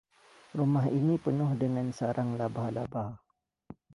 Rumah ini penuh dengan sarang laba-laba.